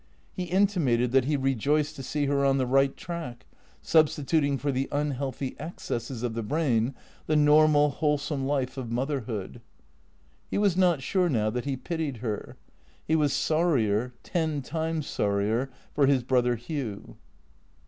He intimated that he rejoiced to see her on the right track, substi tuting for the unhealthy excesses of the brain the normal, whole some life of motherhood. He was not sure now that he pitied her. He was sorrier, ten times sorrier, for his brother Hugh.